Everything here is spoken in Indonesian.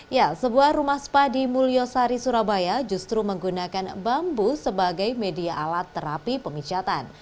ya sebuah rumah spa di mulyosari surabaya justru menggunakan bambu sebagai media alat terapi pemijatan